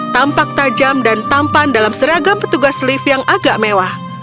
tampak tajam dan tampan dalam seragam petugas lift yang agak mewah